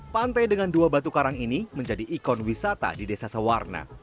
pantai dengan dua batu karang ini menjadi ikon wisata di desa sewarna